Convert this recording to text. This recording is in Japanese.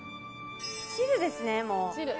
チルですね、もう。